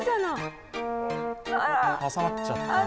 挟まっちゃった。